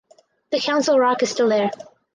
The Council Rock is still there.